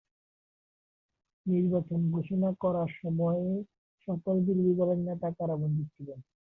নির্বাচন ঘোষণা করার সময়ে সকল বিরোধী দলের নেতা কারাবন্দী ছিলেন।